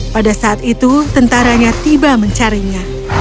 pada saat itu tentaranya tiba mencarinya